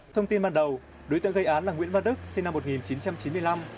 thông tin ban đầu đối tượng gây án là nguyễn văn đức sinh năm một nghìn chín trăm chín mươi năm